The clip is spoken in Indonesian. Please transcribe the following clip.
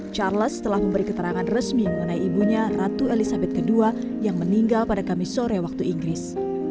charles telah memberi keterangan resmi mengenai ibunya ratu elizabeth ii yang meninggal pada kamis sore waktu inggris